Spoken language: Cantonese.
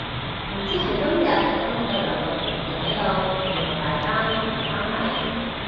唔知係今日真係得兩個同事喺度定係大家都唔返嚟